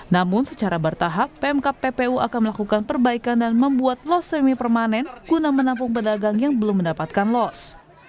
namun secara bertahap pemkap ppu akan melakukan perbaikan dan membuat los semi permanen guna menampung pedagang yang belum mendapatkan los